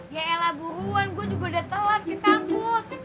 yaelah buruan gue juga udah telat ke kampus